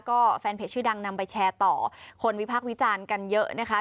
ก็แฟนเพจชื่อดังนำไปแชร์ต่อคนวิพักษ์วิจารณ์กันเยอะนะคะ